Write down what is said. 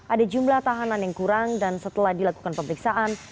ada jumlah tahanan yang kurang dan setelah dilakukan pemeriksaan